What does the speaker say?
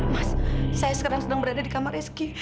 mas saya sekarang sedang berada di kamar reski